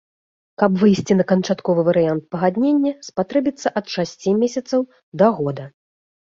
Каб выйсці на канчатковы варыянт пагаднення, спатрэбіцца ад шасці месяцаў да года.